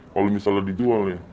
kalo misalnya dijual nih